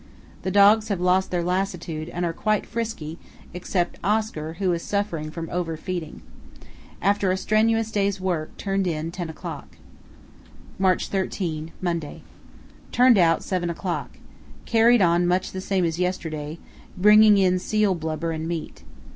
The dogs have lost their lassitude and are quite frisky, except Oscar, who is suffering from over feeding. After a strenuous day's work turned in 10 o'clock. "March 13, Monday.—Turned out 7 o'clock. Carried on much the same as yesterday, bringing in seal blubber and meat.